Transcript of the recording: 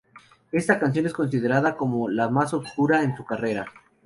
Esta canción es considerada como la más oscura en su carrera.